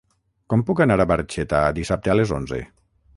Com puc anar a Barxeta dissabte a les onze?